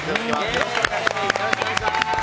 よろしくお願いします。